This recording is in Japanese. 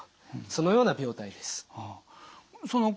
そのような病態です。